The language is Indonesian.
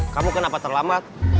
kamu kenapa terlambat